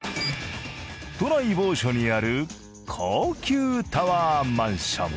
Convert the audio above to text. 都内某所にある高級タワーマンション。